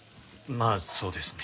まあそうですね。